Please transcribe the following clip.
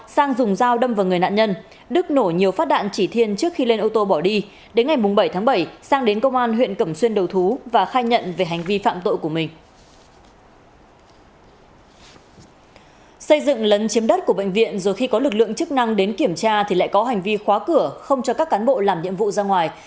xây dựng lấn chiếm đất của bệnh viện rồi khi có lực lượng chức năng đến kiểm tra thì lại có hành vi khóa cửa không cho các cán bộ làm nhiệm vụ ra ngoài